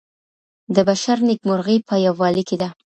د بشر نيکمرغي په يووالي کي ده.